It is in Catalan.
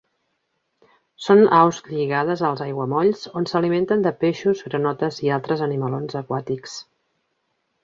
Són aus lligades als aiguamolls, on s'alimenten de peixos, granotes i altres animalons aquàtics.